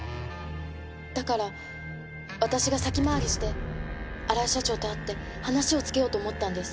だから私が先回りして荒井社長と会って話をつけようと思ったんです。